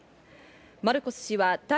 マルコス氏は対